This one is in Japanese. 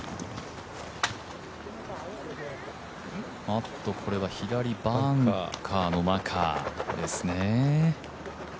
あっと、これは左バンカーの中ですね。